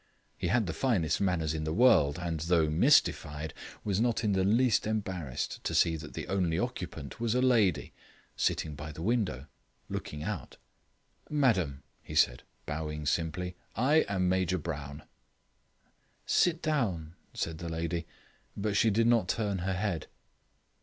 He had the finest manners in the world, and, though mystified, was not in the least embarrassed to see that the only occupant was a lady, sitting by the window, looking out. "Madam," he said, bowing simply, "I am Major Brown." "Sit down," said the lady; but she did not turn her head.